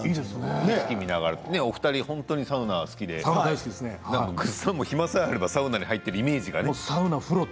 お二人、本当にサウナが好きでぐっさんも暇さえあればサウナに入ってるイメージがあります。